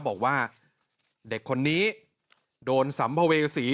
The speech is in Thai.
บอกว่าเด็กคนนี้โดนสัมภเวษี